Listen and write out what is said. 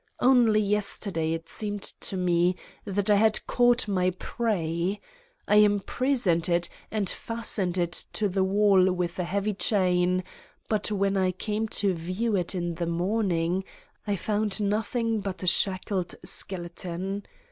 Only yesterday it seemed to me that I had caught my prey. I imprisoned it and fastened it to the wall with a heavy chain, but when I came to view it in the morning I found iiothing but a shackled skeleton.